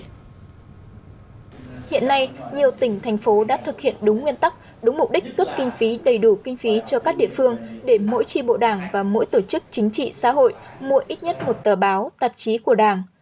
hiện nay nhiều tỉnh thành phố đã thực hiện đúng nguyên tắc đúng mục đích cấp kinh phí đầy đủ kinh phí cho các địa phương để mỗi tri bộ đảng và mỗi tổ chức chính trị xã hội mua ít nhất một tờ báo tạp chí của đảng